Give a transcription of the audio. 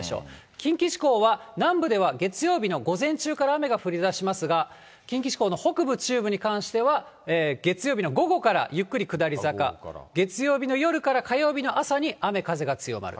近畿地方は南部では月曜日の午前中から雨が降りだしますが、近畿地方の北部、中部に関しては月曜日の午後からゆっくり下り坂、月曜日の夜から火曜日の朝に雨風が強まる。